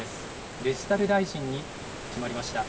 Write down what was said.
デジタル大臣に決まりました。